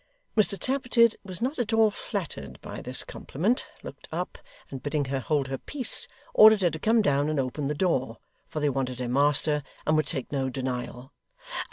Mr Tappertit, who was not at all flattered by this compliment, looked up, and bidding her hold her peace, ordered her to come down and open the door, for they wanted her master, and would take no denial.